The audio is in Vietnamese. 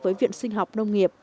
với viện sinh học nông nghiệp